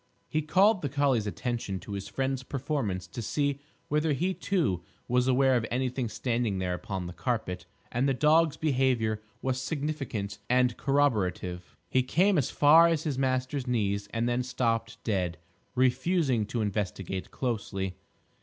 He called the collie's attention to his friend's performance to see whether he too was aware of anything standing there upon the carpet, and the dog's behaviour was significant and corroborative. He came as far as his master's knees and then stopped dead, refusing to investigate closely.